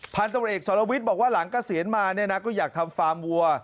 พันธุ์ตำรวจเอกสรวิทย์บอกว่าหลังเกษียณมาเนี่ยนะก็อยากทำฟาร์มวัว